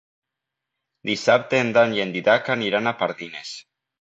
Dissabte en Dan i en Dídac aniran a Pardines.